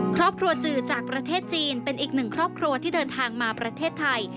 ครอบครัวจือจากประเทศจีนเป็นอีกหนึ่งครอบครัวที่เดินทางมาประเทศไทย